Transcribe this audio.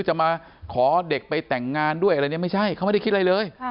จะมาขอเด็กไปแต่งงานด้วยอะไรเนี่ยไม่ใช่เขาไม่ได้คิดอะไรเลย